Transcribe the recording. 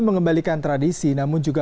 mengembalikan tradisi namun juga